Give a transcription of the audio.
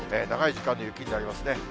長い時間の雪になりますね。